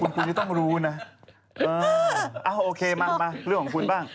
ไม่รู้นะเออโอเคมาเรื่องของคุณบ้าง